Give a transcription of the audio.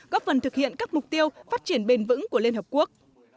góp phần thực hiện các mục tiêu phát triển bền vững của liên hợp quốc